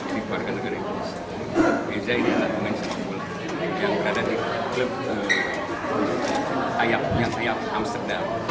di warga negara indonesia ezra ini adalah pengangkatan yang berada di klub ayaks yang teriak amsterdam